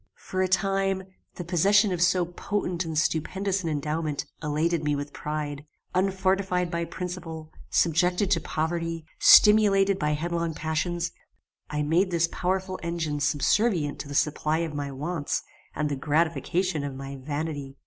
"For a time the possession of so potent and stupendous an endowment elated me with pride. Unfortified by principle, subjected to poverty, stimulated by headlong passions, I made this powerful engine subservient to the supply of my wants, and the gratification of my vanity.